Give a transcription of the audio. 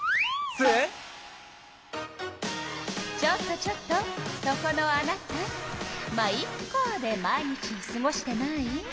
ちょっとちょっとそこのあなた「ま、イッカ」で毎日をすごしてない？